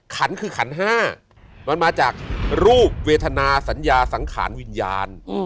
ขันคือขัน๕มันมาจากรูปเวทนาสัญญาสังขารวิญญาณ